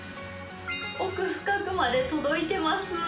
奥深くまで届いてます